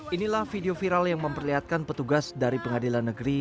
inilah video viral yang memperlihatkan petugas dari pengadilan negeri